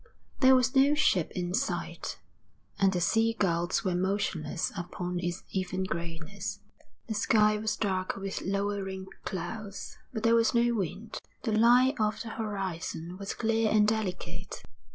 There was no ship in sight, and the sea gulls were motionless upon its even greyness. The sky was dark with lowering clouds, but there was no wind. The line of the horizon was clear and delicate.